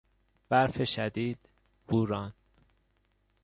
برف شدید، بوران